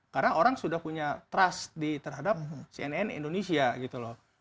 karena orang sudah punya trust terhadap cnn indonesia gitu loh